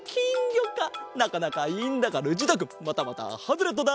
なかなかいいんだがルチータくんまたまたハズレットだ！